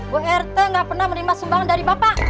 bu rt gak pernah menerima sumbangan dari bapak